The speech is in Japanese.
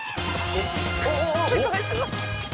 すごいすごい。